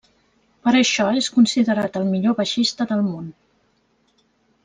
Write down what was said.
Per això és considerat el millor baixista del món.